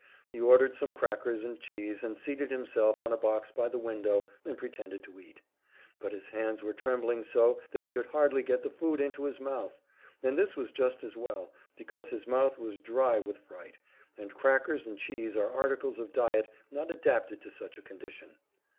He ordered some crackers and cheese, and seated himself on a box by the window and pretended to eat. But his hands were trembling so that he could hardly get the food into his mouth; and this was just as well, because his mouth was dry with fright, and crackers and cheese are articles of diet not adapted to such a condition.